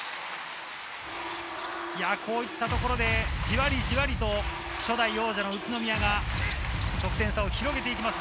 こういったところでじわりじわりと初代王者の宇都宮が得点差を広げていきます。